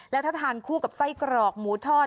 แล้วถ้าทานคู่กับไส้กรอกหมูทอด